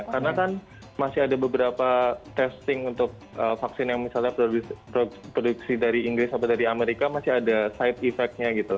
karena kan masih ada beberapa testing untuk vaksin yang misalnya produksi dari inggris atau dari amerika masih ada side effect nya gitu